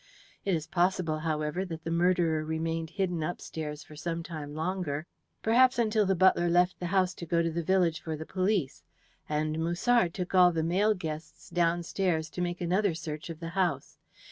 It is possible, however, that the murderer remained hidden upstairs for some time longer perhaps until the butler left the house to go to the village for the police, and Musard took all the male guests downstairs to make another search of the house.